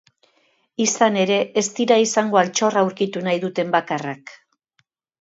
Izan ere, ez dira izango altxorra aurkitu nahi duten bakarrak.